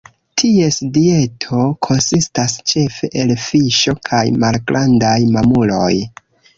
Ties dieto konsistas ĉefe el fiŝo kaj malgrandaj mamuloj.